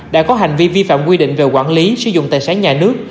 đã có hành vi vi phạm quy định về quản lý sử dụng tài sản nhà nước